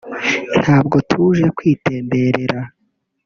Ntabwo tuje kwitemberera